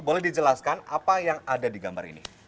boleh dijelaskan apa yang ada di gambar ini